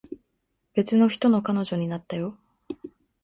別の人の彼女になったよ